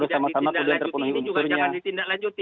tidak ditindaklanjuti ini juga jangan ditindaklanjuti